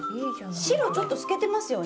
白ちょっと透けてますよね？